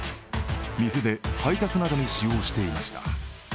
店で配達などに使用していました。